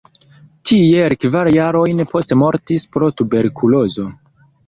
Tie li kvar jarojn poste mortis pro tuberkulozo.